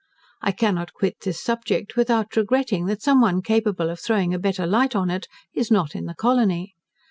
I cannot quit this subject without regretting, that some one capable of throwing a better light on it, is not in the colony.